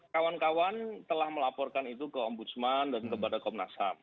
kawan kawan telah melaporkan itu ke ombudsman dan kepada komnas ham